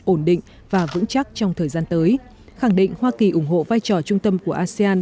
ổn định và vững chắc trong thời gian tới khẳng định hoa kỳ ủng hộ vai trò trung tâm của asean